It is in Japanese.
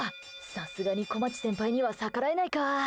さすがにこまち先輩には逆らえないか。